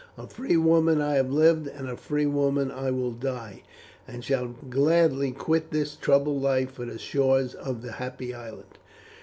A free woman I have lived, and a free woman I will die, and shall gladly quit this troubled life for the shores of the Happy Island."